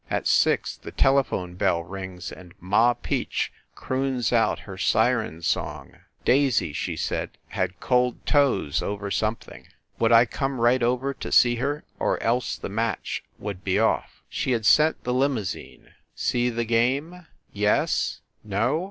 At six the telephone bell rings and Ma Peach croons out her siren song. Daisy, she said, had cold toes over something. Would I come right over to see her, or else the match would be off. She had sent the limou sine. See the game ? Yes ? No